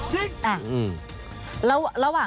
พี่ยิงหรอ